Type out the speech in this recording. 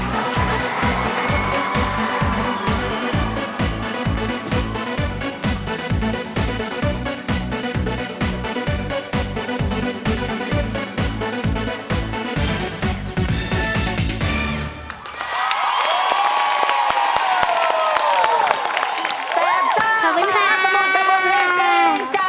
ไม่เอานะเกรงใจยังไงก็เกรงใจ